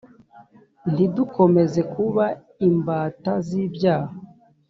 ntidukomeze kuba imbata z’icyaha